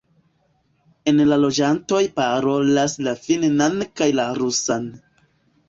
El la loĝantoj parolas la finnan kaj la rusan.